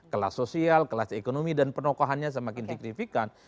kelas sosial kelas ekonomi dan penokohannya semakin signifikan